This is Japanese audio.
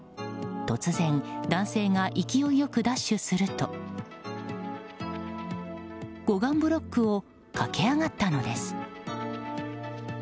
突然、男性が勢いよくダッシュすると護岸ブロックを駆け上がったのです。